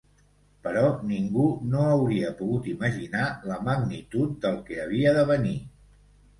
Però ningú no hauria pogut imaginar la magnitud del que havia de venir.